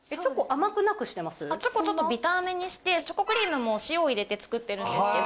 チョコちょっとビターめにしてチョコクリームも塩を入れて作ってるんですけど。